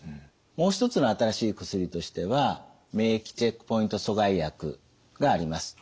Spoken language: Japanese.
もう一つの新しい薬としては免疫チェックポイント阻害薬があります。